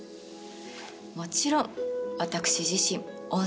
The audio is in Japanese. もちろん私自身温泉大好き。